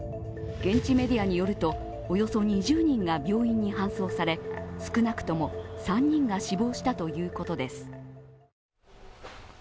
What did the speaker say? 現地メディアによると、およそ２０人が病院に搬送され、少なくとも３人が死亡したということです。